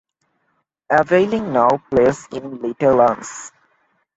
Aveling now plays in Littl'ans.